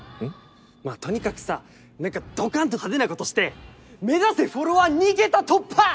まあとにかくさなんかドカンと派手なことして目指せフォロワー２桁突破！